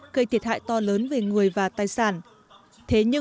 gây thiệt hại to lớn về người và tài sản